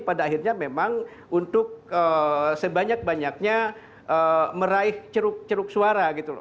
pada akhirnya memang untuk sebanyak banyaknya meraih ceruk ceruk suara gitu loh